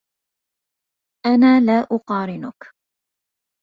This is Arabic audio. انا لا اقارنكِ